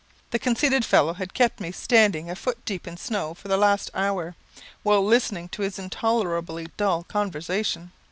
The conceited fellow had kept me standing a foot deep in snow for the last hour, while listening to his intolerably dull conversation.